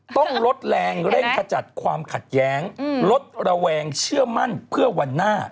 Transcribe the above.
ต้องลดแรงเร่งขจัดความขัดแย้งลดระแวงเชื่อมั่นเพื่อวันหน้า